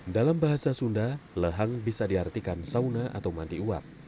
dalam bahasa sunda lehang bisa diartikan sauna atau mandi uap